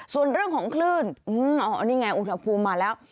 ส่วนเรื่องของคลื่นอ๋อนี่ไงอุณหภูมิมาแล้ว